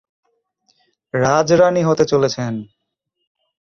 রাজরানী হতে চলেছেন!